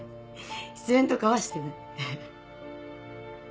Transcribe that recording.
失恋とかはしてない。